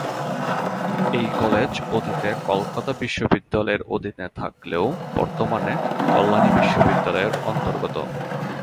এই কলেজ অতীতে কলকাতা বিশ্ববিদ্যালয়ের অধীন থাকলেও বর্তমানে কল্যাণী বিশ্ববিদ্যালয়ের অন্তর্গত।